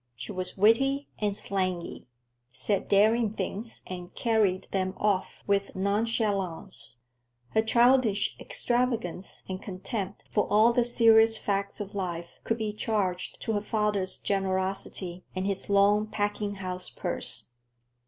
She was witty and slangy; said daring things and carried them off with nonchalance. Her childish extravagance and contempt for all the serious facts of life could be charged to her father's generosity and his long packing house purse.